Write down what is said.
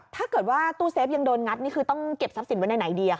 ถ้าเกิดว่าตู้เซฟยังโดนงัดนี่คือต้องเก็บทรัพย์สินไว้ในไหนดี